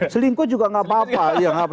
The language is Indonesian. selingkuh juga nggak apa apa